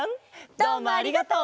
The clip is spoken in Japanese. どうもありがとう！